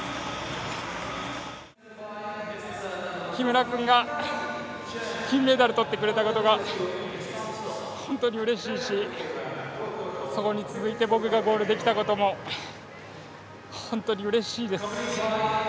木村君が金メダル取ってくれたことが本当にうれしいしそこに続いて僕がゴールできたことも本当にうれしいです。